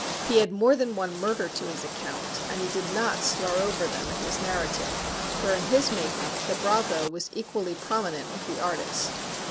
He had more than one murder to his account, and he did not slur over them in his narrative, for in his make up the bravo was equally prominent with the artist.